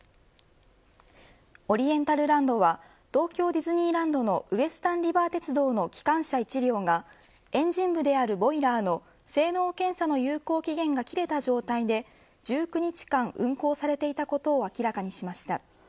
オリエンタルランドは東京ディズニーランドのウエスタンリバー鉄道の機関車一両がエンジン部であるボイラーの性能検査の有効期限が切れた状態で１９日間、運行されていたことを明らかにしました。